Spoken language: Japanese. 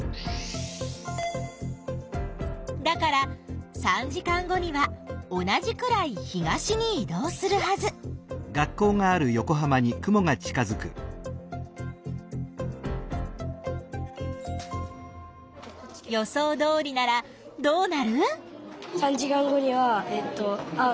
だから３時間後には同じくらい東にい動するはず。予想どおりならどうなる？